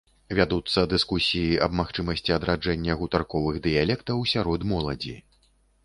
Вядуцца дыскусіі аб магчымасці адраджэння гутарковых дыялектаў сярод моладзі.